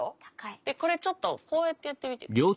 でこれちょっとこうやってやってみてくれる？